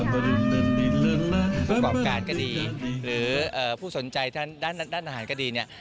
ประกอบการณ์ก็ดีหรือผู้สนใจด้านอาหารก็ดี